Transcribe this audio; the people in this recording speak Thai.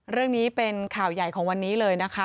เรื่องนี้เป็นข่าวใหญ่ของวันนี้เลยนะคะ